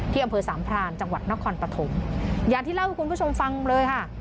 อำเภอสามพรานจังหวัดนครปฐมอย่างที่เล่าให้คุณผู้ชมฟังเลยค่ะ